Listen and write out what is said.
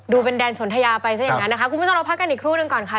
เป็นแดนสนทยาไปซะอย่างนั้นนะคะคุณผู้ชมเราพักกันอีกครู่หนึ่งก่อนค่ะ